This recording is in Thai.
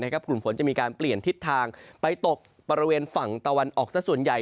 กลุ่มฝนจะมีการเปลี่ยนทิศทางไปตกบริเวณฝั่งตะวันออกซะส่วนใหญ่